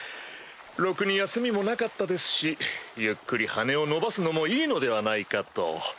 ろくに休みもなかったですしゆっくり羽を伸ばすのもいいのではないかと。